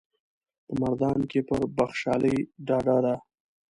په مردان کې پر بخشالي ډاډه ده.